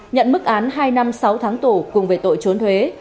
nhận mức án hai năm sáu tháng tù cùng về tội trốn thuế